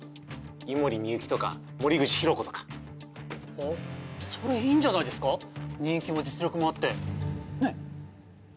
井森美幸とか森口博子とかあっそれいいんじゃないですか人気も実力もあってねえ